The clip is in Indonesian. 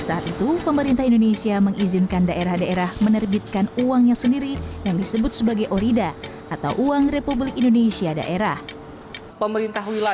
saat itu pemerintah indonesia mengizinkan daerah daerah menerbitkan uangnya sendiri yang disebut sebagai orida atau uang republik indonesia daerah